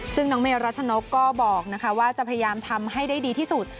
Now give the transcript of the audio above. ซึ่งน้องเมรัชนกก็บอกว่าจะพยายามทำให้ได้ดีที่สุด